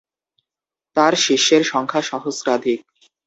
তার শিষ্যের সংখ্যা সহস্রাধিক।